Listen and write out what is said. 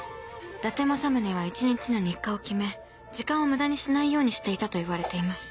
伊達政宗は一日の日課を決め時間を無駄にしないようにしていたといわれています